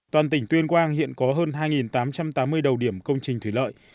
toàn tỉnh tuyên quang hiện có hơn hai tám trăm tám mươi đầu điểm công trình thủy lợi